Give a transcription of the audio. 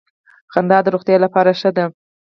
خندا د روغتیا لپاره ښه ده